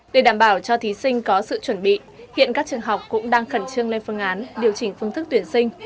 để đảm bảo cho thí sinh có sự chuẩn bị hiện các trường học cũng đang khẩn trương lên phương án điều chỉnh phương thức tuyển sinh